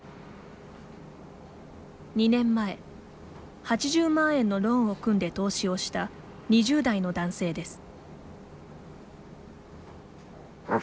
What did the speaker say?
２年前、８０万円のローンを組んで投資をした２０代の男性です。